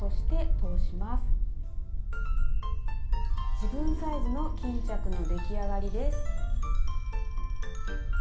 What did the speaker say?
自分サイズの巾着の出来上がりです。